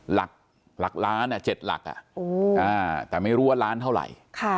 หลักล้านเจ็ดหลักอะอ๐แต่ไม่รู้ว่าร้านเท่าไหร่